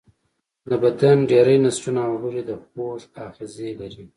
د بدن ډیری نسجونه او غړي د خوږ آخذې لري.